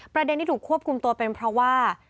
ประเด็นที่ถูกควบคุมตัวเป็นเพราะว่า